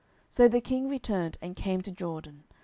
10:019:015 So the king returned, and came to Jordan.